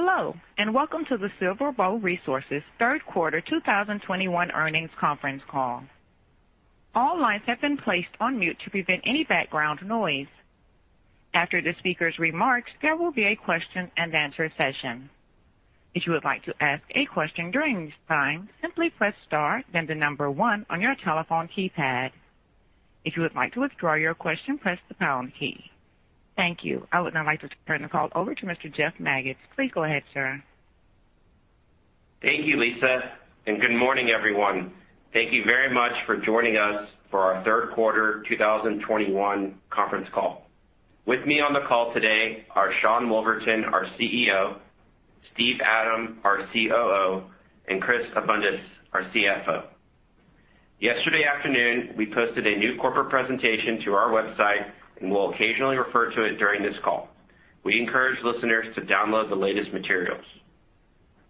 Hello, and welcome to the SilverBow Resources third quarter 2021 earnings conference call. All lines have been placed on mute to prevent any background noise. After the speaker's remarks, there will be a question and answer session. If you would like to ask a question during this time, simply press star, then the number one on your telephone keypad. If you would like to withdraw your question, press the pound key. Thank you. I would now like to turn the call over to Mr. Jeff Magids. Please go ahead, sir. Thank you, Lisa, and good morning, everyone. Thank you very much for joining us for our third quarter 2021 conference call. With me on the call today are Sean Woolverton, our CEO, Steve Adam, our COO, and Chris Abundis, our CFO. Yesterday afternoon, we posted a new corporate presentation to our website, and we'll occasionally refer to it during this call. We encourage listeners to download the latest materials.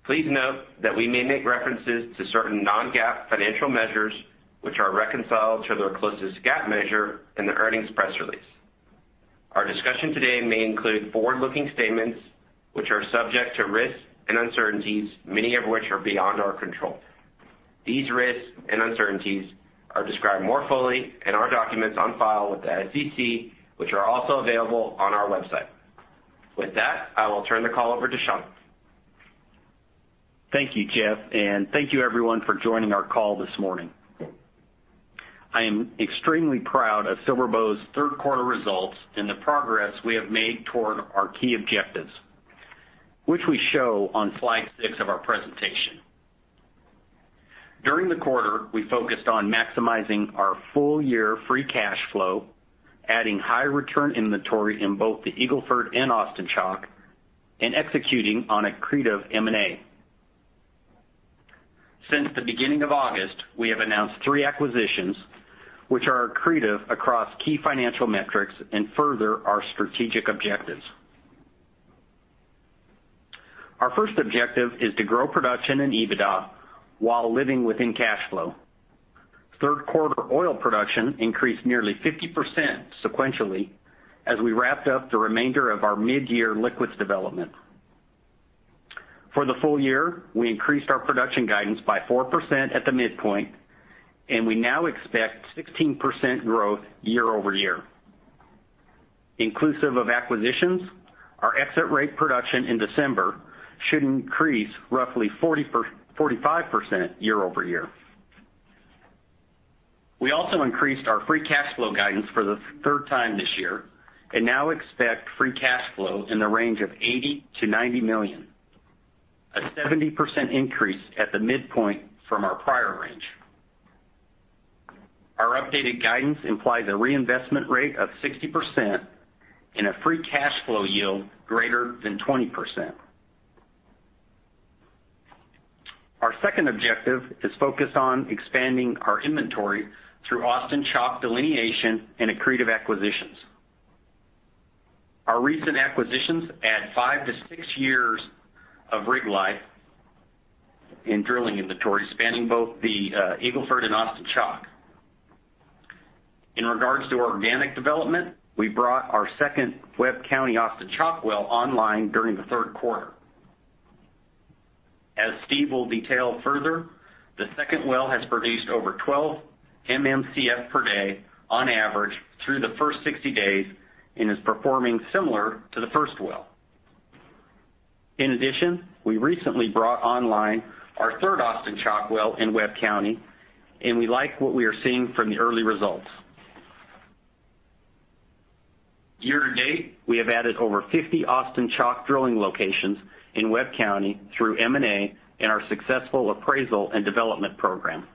Please note that we may make references to certain non-GAAP financial measures which are reconciled to their closest GAAP measure in the earnings press release. Our discussion today may include forward-looking statements which are subject to risks and uncertainties, many of which are beyond our control. These risks and uncertainties are described more fully in our documents on file with the SEC, which are also available on our website. With that, I will turn the call over to Sean. Thank you, Jeff, and thank you everyone for joining our call this morning. I am extremely proud of SilverBow's third quarter results and the progress we have made toward our key objectives, which we show on slide six of our presentation. During the quarter, we focused on maximizing our full year free cash flow, adding high return inventory in both the Eagle Ford and Austin Chalk, and executing on accretive M&A. Since the beginning of August, we have announced three acquisitions which are accretive across key financial metrics and further our strategic objectives. Our first objective is to grow production and EBITDA while living within cash flow. Third quarter oil production increased nearly 50% sequentially as we wrapped up the remainder of our mid-year liquids development. For the full year, we increased our production guidance by 4% at the midpoint, and we now expect 16% growth year-over-year. Inclusive of acquisitions, our exit rate production in December should increase roughly 45% year-over-year. We also increased our free cash flow guidance for the third time this year and now expect free cash flow in the range of $80 million-$90 million, a 70% increase at the midpoint from our prior range. Our updated guidance implies a reinvestment rate of 60% and a free cash flow yield greater than 20%. Our second objective is focused on expanding our inventory through Austin Chalk delineation and accretive acquisitions. Our recent acquisitions add five to six years of rig life in drilling inventory, spanning both the Eagle Ford and Austin Chalk. In regards to organic development, we brought our second Webb County Austin Chalk well online during the third quarter. As Steve will detail further, the second well has produced over 12 MMcf per day on average through the first 60 days and is performing similar to the first well. In addition, we recently brought online our third Austin Chalk well in Webb County, and we like what we are seeing from the early results. Year to date, we have added over 50 Austin Chalk drilling locations in Webb County through M&A and our successful appraisal and development program.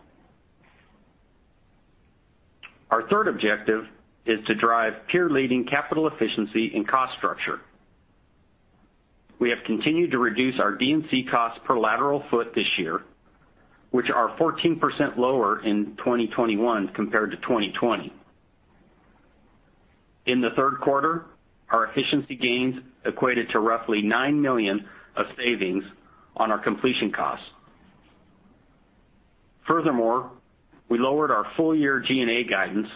Our third objective is to drive peer-leading capital efficiency and cost structure. We have continued to reduce our D&C costs per lateral foot this year, which are 14% lower in 2021 compared to 2020. In the third quarter, our efficiency gains equated to roughly $9 million of savings on our completion costs. Furthermore, we lowered our full year G&A guidance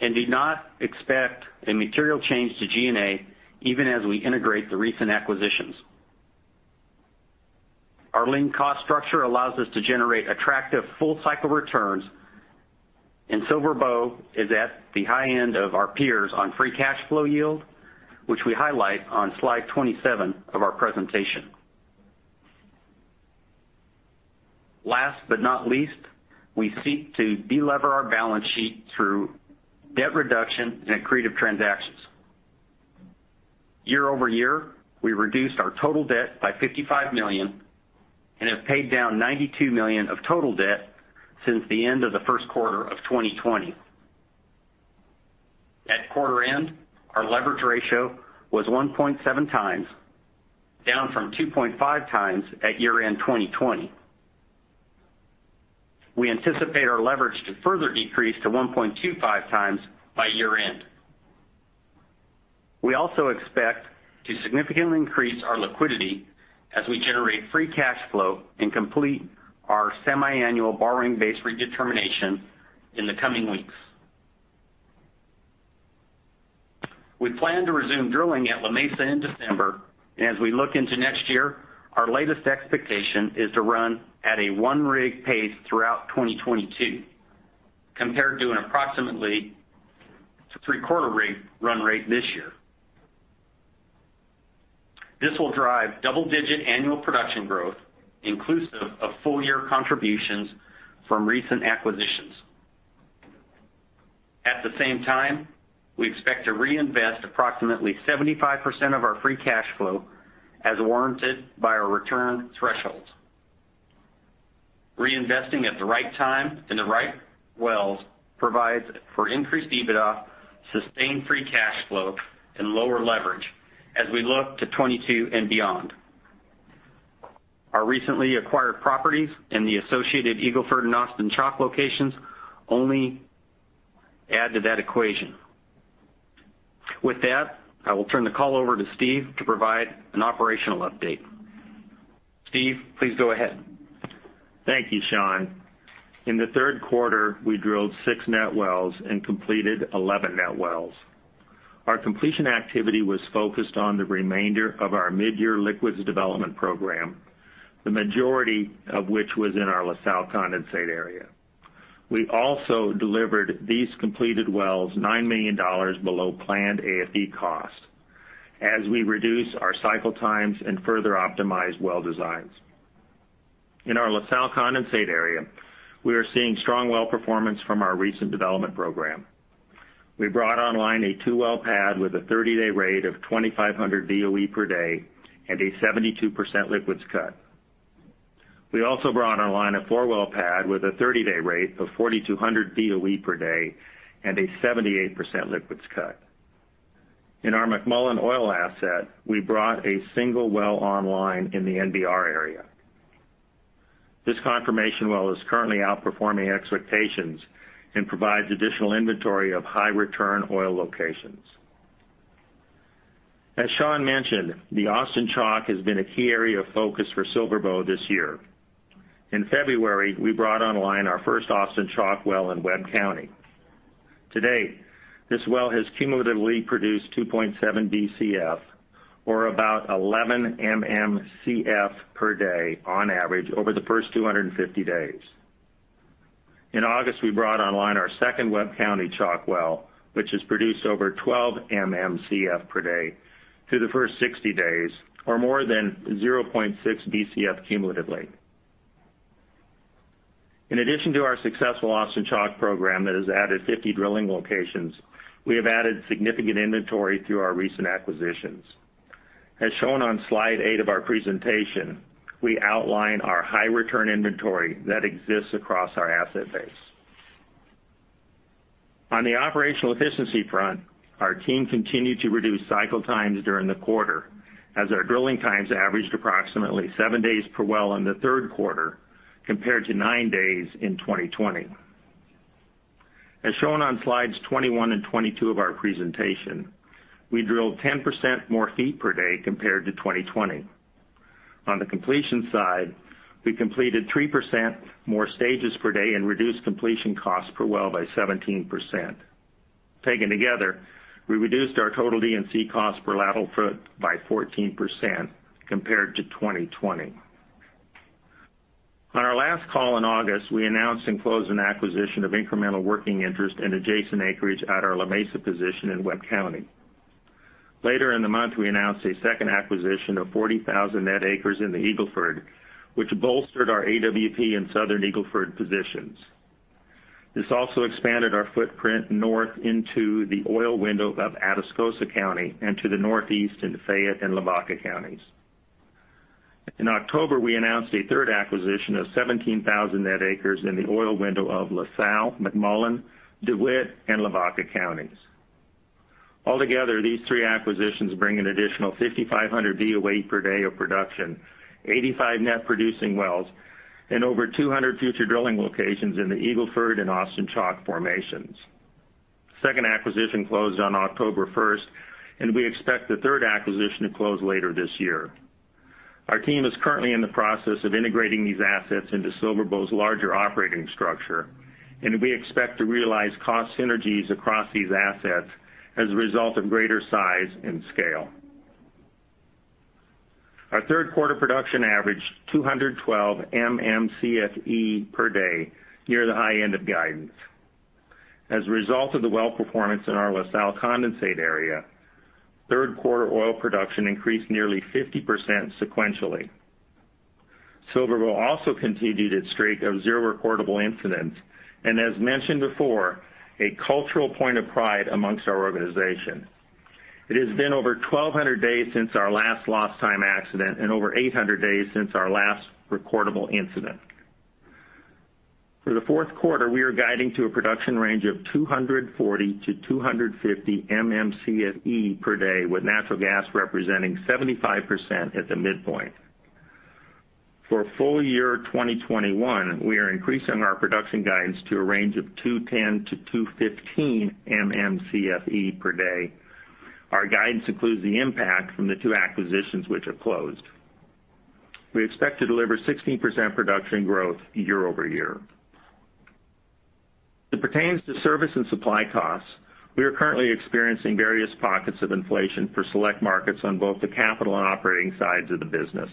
and did not expect a material change to G&A even as we integrate the recent acquisitions. Our lean cost structure allows us to generate attractive full cycle returns, and SilverBow is at the high end of our peers on free cash flow yield, which we highlight on slide 27 of our presentation. Last but not least, we seek to delever our balance sheet through debt reduction and accretive transactions. Year-over-year, we reduced our total debt by $55 million and have paid down $92 million of total debt since the end of the first quarter of 2020. At quarter end, our leverage ratio was 1.7x, down from 2.5x at year-end 2020. We anticipate our leverage to further decrease to 1.25 times by year-end. We also expect to significantly increase our liquidity as we generate free cash flow and complete our semi-annual borrowing base redetermination in the coming weeks. We plan to resume drilling at La Mesa in December. As we look into next year, our latest expectation is to run at a one-rig pace throughout 2022 compared to an approximately three-quarter rig run rate this year. This will drive double-digit annual production growth, inclusive of full year contributions from recent acquisitions. At the same time, we expect to reinvest approximately 75% of our free cash flow as warranted by our return thresholds. Reinvesting at the right time in the right wells provides for increased EBITDA, sustained free cash flow, and lower leverage as we look to 2022 and beyond. Our recently acquired properties and the associated Eagle Ford and Austin Chalk locations only add to that equation. With that, I will turn the call over to Steve to provide an operational update. Steve, please go ahead. Thank you, Sean. In the third quarter, we drilled six net wells and completed 11 net wells. Our completion activity was focused on the remainder of our midyear liquids development program, the majority of which was in our La Salle condensate area. We also delivered these completed wells $9 million below planned AFE costs as we reduce our cycle times and further optimize well designs. In our La Salle condensate area, we are seeing strong well performance from our recent development program. We brought online a two-well pad with a 30-day rate of 2,500 BOE per day and a 72% liquids cut. We also brought online a four-well pad with a 30-day rate of 4,200 BOE per day and a 78% liquids cut. In our McMullen oil asset, we brought a single well online in the NBR area. This confirmation well is currently outperforming expectations and provides additional inventory of high-return oil locations. As Sean mentioned, the Austin Chalk has been a key area of focus for SilverBow this year. In February, we brought online our first Austin Chalk well in Webb County. To date, this well has cumulatively produced 2.7 Bcf or about 11 MMcf per day on average over the first 250 days. In August, we brought online our second Webb County Chalk well, which has produced over 12 MMcf per day through the first 60 days or more than 0.6 Bcf cumulatively. In addition to our successful Austin Chalk program that has added 50 drilling locations, we have added significant inventory through our recent acquisitions. As shown on slide eight of our presentation, we outline our high-return inventory that exists across our asset base. On the operational efficiency front, our team continued to reduce cycle times during the quarter as our drilling times averaged approximately seven days per well in the third quarter compared to nine days in 2020. As shown on slides 21 and 22 of our presentation, we drilled 10% more feet per day compared to 2020. On the completion side, we completed 3% more stages per day and reduced completion costs per well by 17%. Taken together, we reduced our total D&C costs per lateral foot by 14% compared to 2020. On our last call in August, we announced and closed an acquisition of incremental working interest in adjacent acreage at our La Mesa position in Webb County. Later in the month, we announced a second acquisition of 40,000 net acres in the Eagle Ford, which bolstered our AWP and Southern Eagle Ford positions. This also expanded our footprint north into the oil window of Atascosa County and to the northeast in Fayette and Lavaca Counties. In October, we announced a third acquisition of 17,000 net acres in the oil window of La Salle, McMullen, DeWitt, and Lavaca Counties. Altogether, these three acquisitions bring an additional 5,500 BOE per day of production, 85 net producing wells, and over 200 future drilling locations in the Eagle Ford and Austin Chalk formations. Second acquisition closed on October first, and we expect the third acquisition to close later this year. Our team is currently in the process of integrating these assets into SilverBow's larger operating structure, and we expect to realize cost synergies across these assets as a result of greater size and scale. Our third quarter production averaged 212 MMcfe per day, near the high end of guidance. As a result of the well performance in our La Salle condensate area, third quarter oil production increased nearly 50% sequentially. SilverBow also continued its streak of zero recordable incidents, and as mentioned before, a cultural point of pride amongst our organization. It has been over 1,200 days since our last lost time accident and over 800 days since our last recordable incident. For the fourth quarter, we are guiding to a production range of 240-250 MMcfe per day, with natural gas representing 75% at the midpoint. For Full Year 2021, we are increasing our production guidance to a range of 210-215 MMcfe per day. Our guidance includes the impact from the two acquisitions which have closed. We expect to deliver 16% production growth year-over-year. That pertains to service and supply costs. We are currently experiencing various pockets of inflation for select markets on both the capital and operating sides of the business.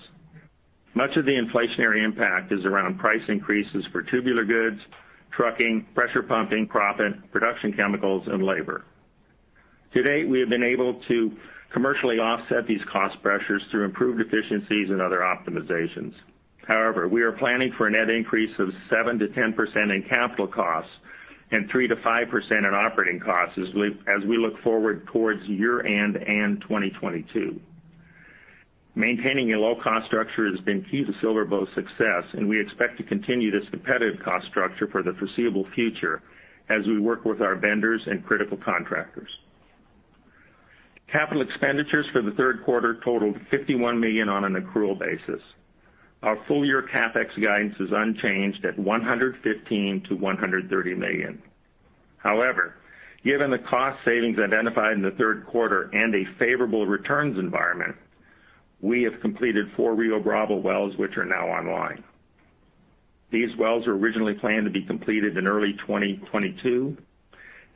Much of the inflationary impact is around price increases for tubular goods, trucking, pressure pumping, proppant, production, chemicals, and labor. To date, we have been able to commercially offset these cost pressures through improved efficiencies and other optimizations. However, we are planning for a net increase of 7%-10% in capital costs and 3%-5% in operating costs as we look forward towards year-end and 2022. Maintaining a low-cost structure has been key to SilverBow's success, and we expect to continue this competitive cost structure for the foreseeable future as we work with our vendors and critical contractors. Capital expenditures for the third quarter totaled $51 million on an accrual basis. Our full year CapEx guidance is unchanged at $115 -130 million. However, given the cost savings identified in the third quarter and a favorable returns environment, we have completed four Rio Bravo wells, which are now online. These wells were originally planned to be completed in early 2022.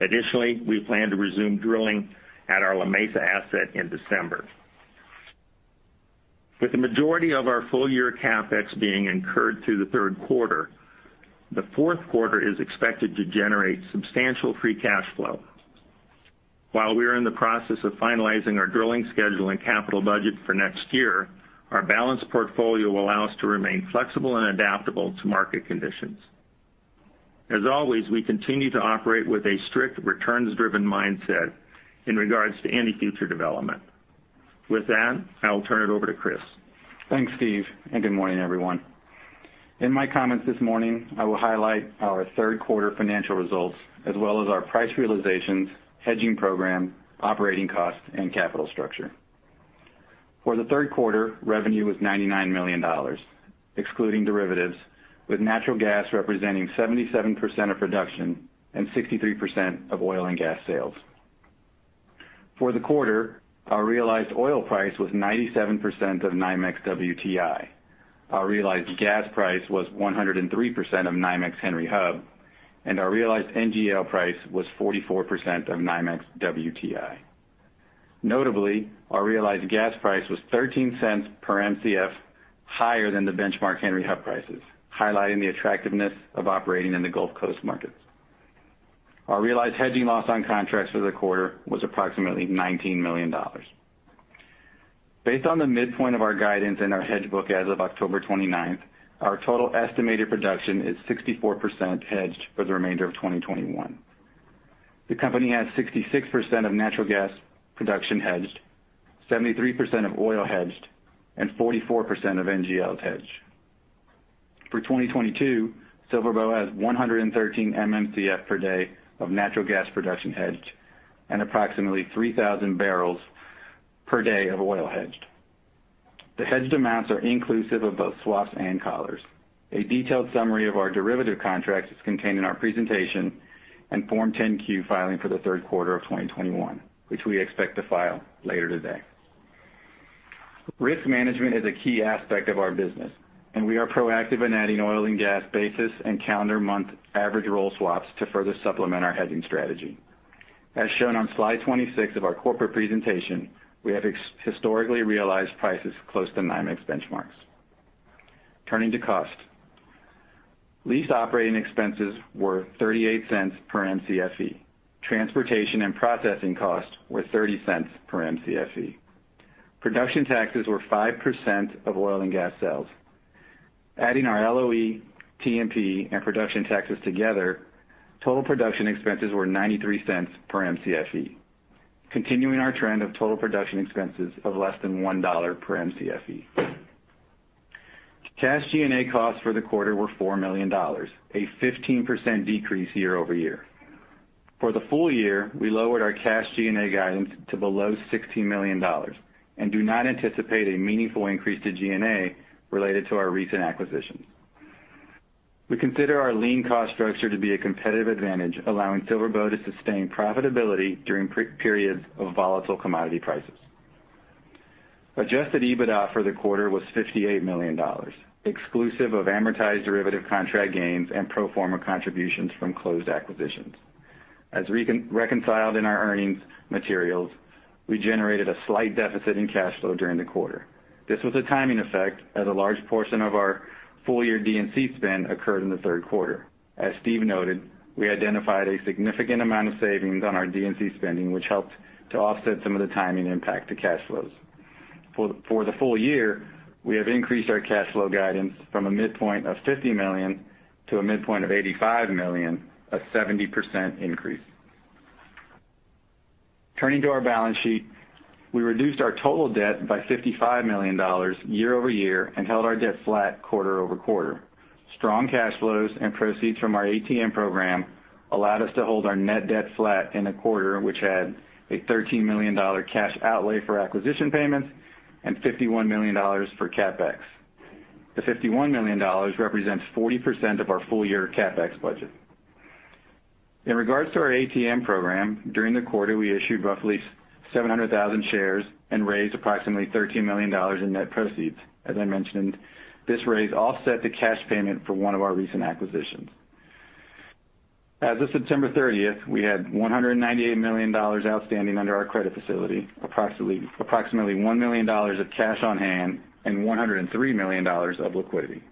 Additionally, we plan to resume drilling at our La Mesa asset in December. With the majority of our full year CapEx being incurred through the third quarter, the fourth quarter is expected to generate substantial free cash flow. While we are in the process of finalizing our drilling schedule and capital budget for next year, our balanced portfolio will allow us to remain flexible and adaptable to market conditions. As always, we continue to operate with a strict returns-driven mindset in regards to any future development. With that, I will turn it over to Chris. Thanks, Steve, and good morning, everyone. In my comments this morning, I will highlight our third quarter financial results as well as our price realizations, hedging program, operating costs, and capital structure. For the third quarter, revenue was $99 million, excluding derivatives, with natural gas representing 77% of production and 63% of oil and gas sales. For the quarter, our realized oil price was 97% of NYMEX WTI. Our realized gas price was 103% of NYMEX Henry Hub, and our realized NGL price was 44% of NYMEX WTI. Notably, our realized gas price was 13 cents per Mcf higher than the benchmark Henry Hub prices, highlighting the attractiveness of operating in the Gulf Coast markets. Our realized hedging loss on contracts for the quarter was approximately $19 million. Based on the midpoint of our guidance and our hedge book as of October 29th, our total estimated production is 64% hedged for the remainder of 2021. The company has 66% of natural gas production hedged, 73% of oil hedged, and 44% of NGL hedged. For 2022, SilverBow has 113 MMcf per day of natural gas production hedged and approximately 3,000 barrels per day of oil hedged. The hedged amounts are inclusive of both swaps and collars. A detailed summary of our derivative contracts is contained in our presentation and Form 10-Q filing for the third quarter of 2021, which we expect to file later today. Risk management is a key aspect of our business, and we are proactive in adding oil and gas basis and calendar month average roll swaps to further supplement our hedging strategy. As shown on slide 26 of our corporate presentation, we have historically realized prices close to NYMEX benchmarks. Turning to costs, lease operating expenses were $0.38 per Mcfe. Transportation and processing costs were $0.30 per Mcfe. Production taxes were 5% of oil and gas sales. Adding our LOE, T&P, and production taxes together, total production expenses were $0.93 per Mcfe, continuing our trend of total production expenses of less than $1 per Mcfe. Cash G&A costs for the quarter were $4 million, a 15% decrease year-over-year. For the full year, we lowered our cash G&A guidance to below $60 million and do not anticipate a meaningful increase to G&A related to our recent acquisitions. We consider our lean cost structure to be a competitive advantage, allowing SilverBow to sustain profitability during periods of volatile commodity prices. Adjusted EBITDA for the quarter was $58 million, exclusive of amortized derivative contract gains and pro forma contributions from closed acquisitions. As reconciled in our earnings materials, we generated a slight deficit in cash flow during the quarter. This was a timing effect as a large portion of our full year D&C spend occurred in the third quarter. As Steve noted, we identified a significant amount of savings on our D&C spending, which helped to offset some of the timing impact to cash flows. For the full year, we have increased our cash flow guidance from a midpoint of $50 million to a midpoint of $85 million, a 70% increase. Turning to our balance sheet, we reduced our total debt by $55 million year-over-year and held our debt flat quarter-over-quarter. Strong cash flows and proceeds from our ATM program allowed us to hold our net debt flat in a quarter, which had a $13 million cash outlay for acquisition payments and $51 million for CapEx. The $51 million represents 40% of our full year CapEx budget. In regards to our ATM program, during the quarter, we issued roughly 700,000 shares and raised approximately $13 million in net proceeds. As I mentioned, this raise offset the cash payment for one of our recent acquisitions. As of September 30, we had $198 million outstanding under our credit facility, approximately $1 million of cash on hand, and $103 million of liquidity.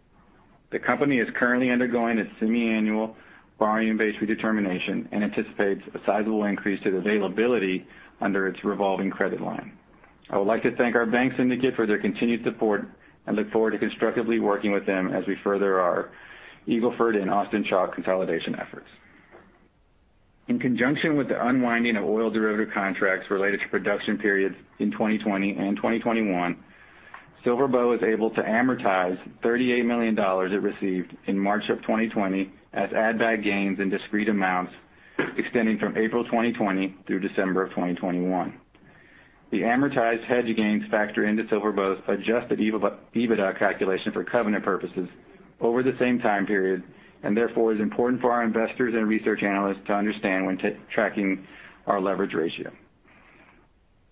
The company is currently undergoing its semiannual borrowing base redetermination and anticipates a sizable increase to the availability under its revolving credit line. I would like to thank our bank syndicate for their continued support and look forward to constructively working with them as we further our Eagle Ford and Austin Chalk consolidation efforts. In conjunction with the unwinding of oil derivative contracts related to production periods in 2020 and 2021, SilverBow was able to amortize $38 million it received in March 2020 as add-back gains in discrete amounts extending from April 2020 through December 2021. The amortized hedge gains factor into SilverBow's adjusted EBITDA calculation for covenant purposes over the same time period, and therefore is important for our investors and research analysts to understand when tracking our leverage ratio.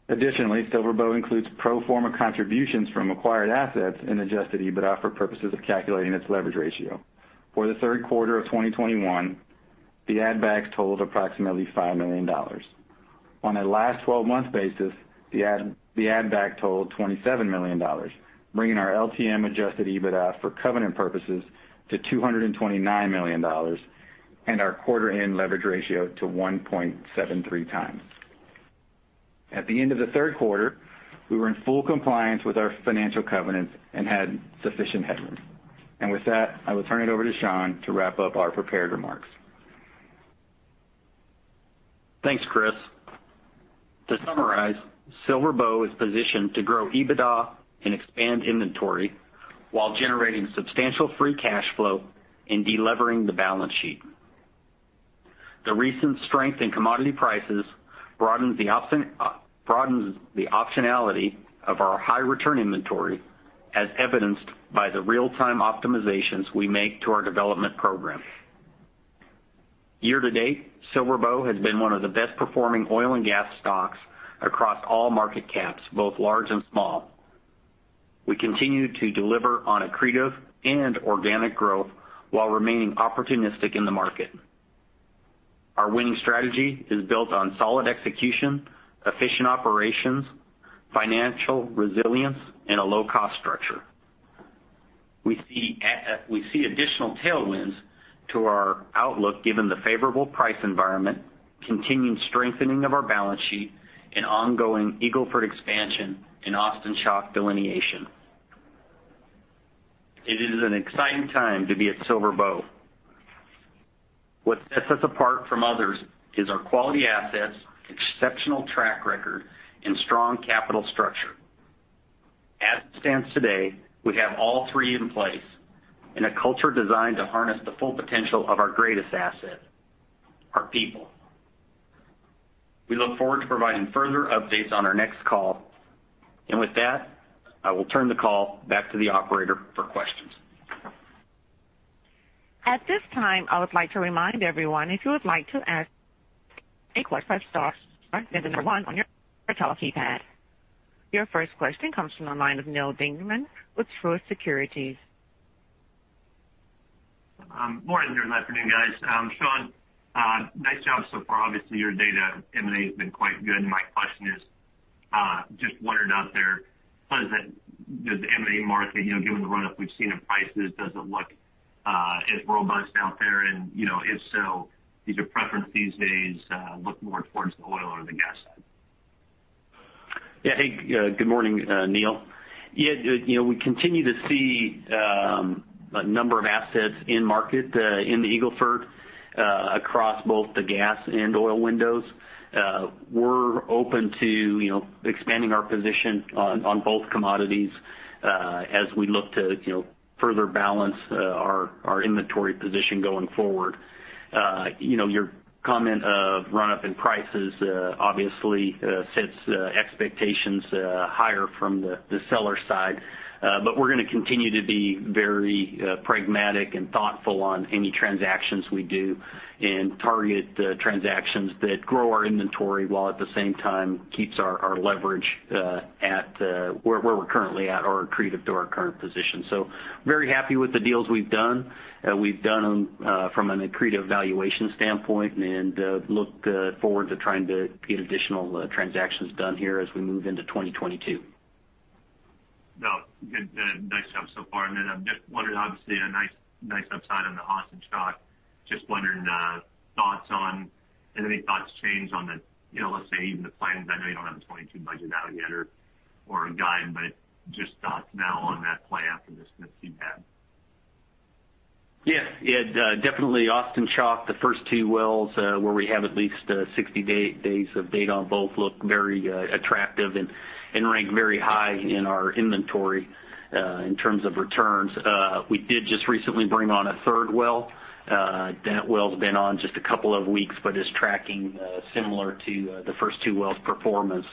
Additionally, SilverBow includes pro forma contributions from acquired assets in adjusted EBITDA for purposes of calculating its leverage ratio. For the third quarter of 2021, the add-backs totaled approximately $5 million. On a last 12 months basis, the add-back totaled $27 million, bringing our LTM adjusted EBITDA for covenant purposes to $229 million, and our quarter-end leverage ratio to 1.73x. At the end of the third quarter, we were in full compliance with our financial covenants and had sufficient headroom. With that, I will turn it over to Sean to wrap up our prepared remarks. Thanks, Chris. To summarize, SilverBow is positioned to grow EBITDA and expand inventory while generating substantial free cash flow and de-levering the balance sheet. The recent strength in commodity prices broadens the optionality of our high return inventory, as evidenced by the real-time optimizations we make to our development program. Year-to-date, SilverBow has been one of the best performing oil and gas stocks across all market caps, both large and small. We continue to deliver on accretive and organic growth while remaining opportunistic in the market. Our winning strategy is built on solid execution, efficient operations, financial resilience, and a low cost structure. We see additional tailwinds to our outlook given the favorable price environment, continued strengthening of our balance sheet, and ongoing Eagle Ford expansion in Austin Chalk delineation. It is an exciting time to be at SilverBow. What sets us apart from others is our quality assets, exceptional track record, and strong capital structure. As it stands today, we have all three in place in a culture designed to harness the full potential of our greatest asset, our people. We look forward to providing further updates on our next call. With that, I will turn the call back to the operator for questions. At this time, I would like to remind everyone, if you would like to ask a question, press star then the number one on your telephone keypad. Your first question comes from the line of Neal Dingmann with Truist Securities. Morning and afternoon, guys. Sean, nice job so far. Obviously, your latest M&A has been quite good. My question is just wondering out there, how does the M&A market, you know, given the run up we've seen in prices, does it look as robust out there? You know, if so, is your preference these days look more towards the oil or the gas side? Yeah. Hey, good morning, Neal. Yeah, you know, we continue to see a number of assets in market, in the Eagle Ford, across both the gas and oil windows. We're open to, you know, expanding our position on both commodities, as we look to, you know, further balance our inventory position going forward. You know, your comment of run up in prices obviously sets expectations higher from the seller side. But we're gonna continue to be very pragmatic and thoughtful on any transactions we do and target transactions that grow our inventory, while at the same time keeps our leverage at where we're currently at or accretive to our current position. Very happy with the deals we've done. We've done from an accretive valuation standpoint and look forward to trying to get additional transactions done here as we move into 2022. No, good. Nice job so far. I'm just wondering, obviously, a nice upside on the Austin Chalk. Just wondering, thoughts on have any thoughts changed on the, you know, let's say even the plans. I know you don't have the 2022 budget out yet or a guide, but just thoughts now on that plan after this that you've had. Yeah. Yeah. Definitely Austin Chalk, the first two wells, where we have at least 60 days of data on both look very attractive and rank very high in our inventory in terms of returns. We did just recently bring on a third well. That well's been on just a couple of weeks, but is tracking similar to the first two wells' performance.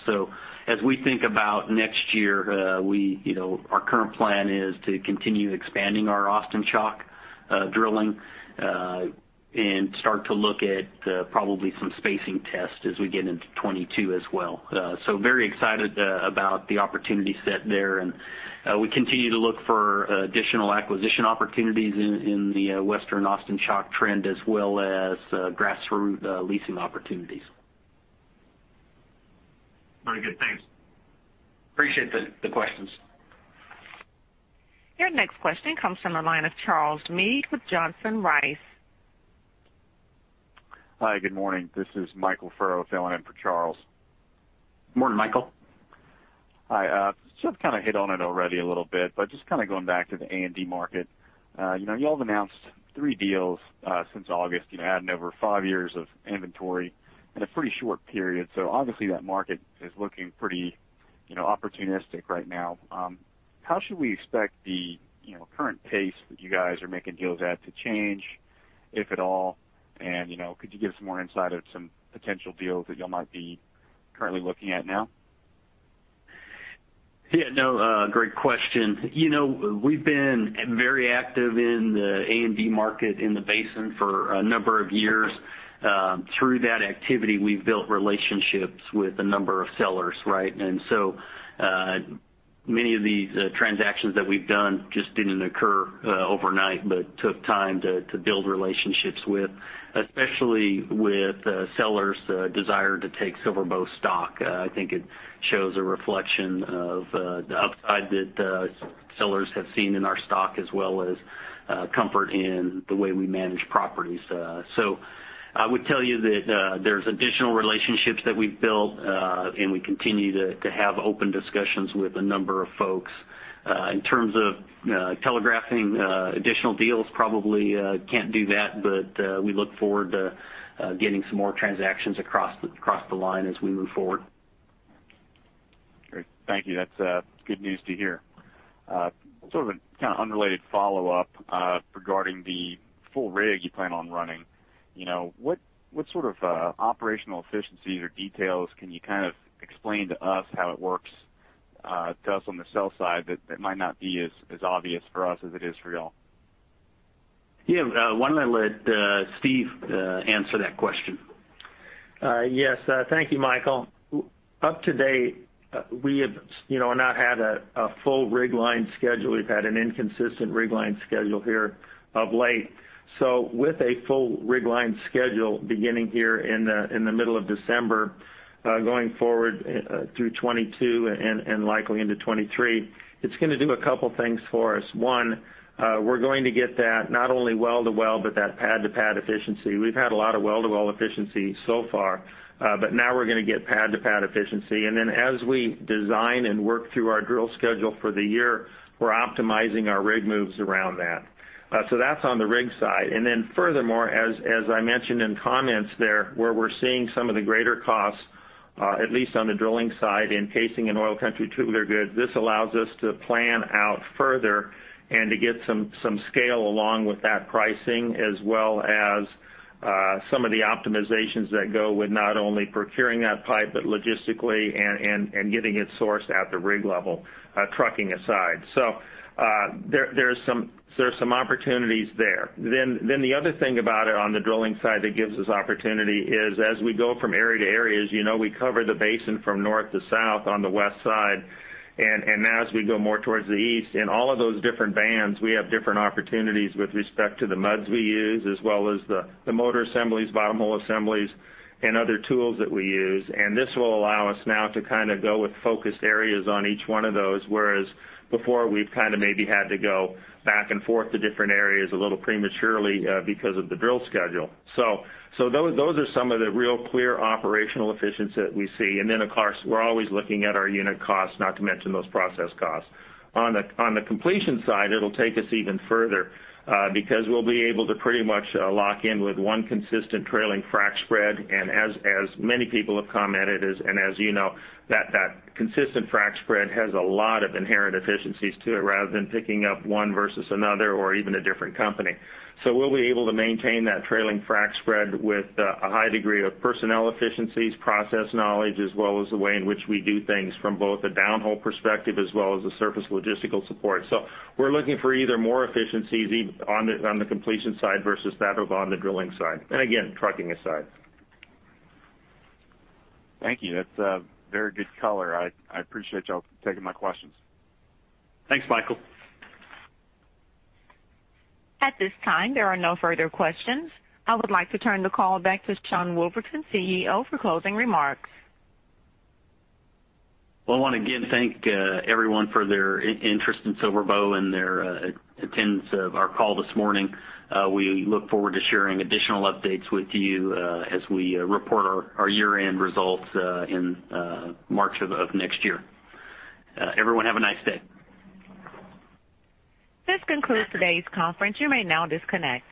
As we think about next year, we, you know, our current plan is to continue expanding our Austin Chalk drilling, and start to look at probably some spacing tests as we get into 2022 as well. Very excited about the opportunity set there, and we continue to look for additional acquisition opportunities in the Western Austin Chalk trend as well as grassroots leasing opportunities. Very good. Thanks. Appreciate the questions. Your next question comes from the line of Charles Meade with Johnson Rice. Hi, good morning. This is Michael Furrow filling in for Charles. Morning, Michael. Hi. Chuck kinda hit on it already a little bit, but just kinda going back to the A&D market. You know, y'all have announced three deals since August, you know, adding over five years of inventory in a pretty short period. Obviously that market is looking pretty, you know, opportunistic right now. How should we expect the, you know, current pace that you guys are making deals at to change, if at all? You know, could you give us more insight of some potential deals that y'all might be currently looking at now? Yeah, no, great question. You know, we've been very active in the A&D market in the basin for a number of years. Through that activity we've built relationships with a number of sellers, right? Many of the transactions that we've done just didn't occur overnight, but took time to build relationships with, especially with sellers' desire to take SilverBow stock. I think it shows a reflection of the upside that sellers have seen in our stock as well as comfort in the way we manage properties. I would tell you that there's additional relationships that we've built and we continue to have open discussions with a number of folks. In terms of telegraphing additional deals, probably can't do that, but we look forward to getting some more transactions across the line as we move forward. Great. Thank you. That's good news to hear. Sort of a kinda unrelated follow-up regarding the full rig you plan on running. You know, what sort of operational efficiencies or details can you kind of explain to us how it works to us on the sell side that might not be as obvious for us as it is for y'all? Yeah. Why don't I let Steve answer that question? Yes. Thank you, Michael. Up to date, we have, you know, not had a full rig line schedule. We've had an inconsistent rig line schedule here of late. With a full rig line schedule beginning here in the middle of December, going forward, through 2022 and likely into 2023, it's gonna do a couple things for us. One, we're going to get that not only well-to-well, but that pad-to-pad efficiency. We've had a lot of well-to-well efficiency so far, but now we're gonna get pad-to-pad efficiency. As we design and work through our drill schedule for the year, we're optimizing our rig moves around that. So that's on the rig side. Furthermore, as I mentioned in comments there, where we're seeing some of the greater costs, at least on the drilling side in casing in oil country tubular goods, this allows us to plan out further and to get some scale along with that pricing as well as some of the optimizations that go with not only procuring that pipe but logistically and getting it sourced at the rig level, trucking aside. There's some opportunities there. The other thing about it on the drilling side that gives us opportunity is, as we go from area to area, as you know, we cover the basin from north to south on the west side. As we go more towards the east, in all of those different bands, we have different opportunities with respect to the muds we use as well as the motor assemblies, bottomhole assemblies, and other tools that we use. This will allow us now to kinda go with focused areas on each one of those, whereas before we've kinda maybe had to go back and forth to different areas a little prematurely, because of the drill schedule. Those are some of the real clear operational efficiency that we see. Then of course, we're always looking at our unit costs, not to mention those process costs. On the completion side, it'll take us even further, because we'll be able to pretty much lock in with one consistent trailing frac spread. As many people have commented, and as you know, that consistent frac spread has a lot of inherent efficiencies to it rather than picking up one versus another or even a different company. We'll be able to maintain that trailing frac spread with a high degree of personnel efficiencies, process knowledge, as well as the way in which we do things from both a downhole perspective as well as the surface logistical support. We're looking for either more efficiencies on the completion side versus that of on the drilling side. Again, trucking aside. Thank you. That's a very good color. I appreciate y'all for taking my questions. Thanks, Michael. At this time, there are no further questions. I would like to turn the call back to Sean Woolverton, CEO, for closing remarks. Well, I wanna again thank everyone for their interest in SilverBow and their attendance of our call this morning. We look forward to sharing additional updates with you as we report our year-end results in March of next year. Everyone have a nice day. This concludes today's conference. You may now disconnect.